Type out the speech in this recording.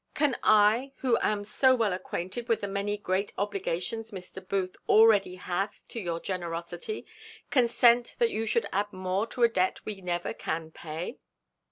Can I, who am so well acquainted with the many great obligations Mr. Booth already hath to your generosity, consent that you should add more to a debt we never can pay?"